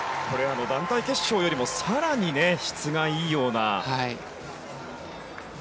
団体決勝よりも更に質がいいような。